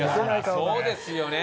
そうですよね。